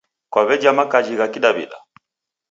Kwaw'eja makaji gha Kidaw'ida?